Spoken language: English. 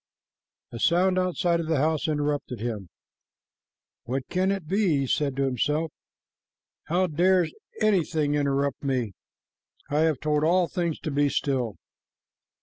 A sound outside of the house interrupted him. "What can it be?" he said to himself. "How dares anything interrupt me? I have told all things to be still.